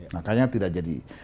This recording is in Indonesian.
makanya tidak jadi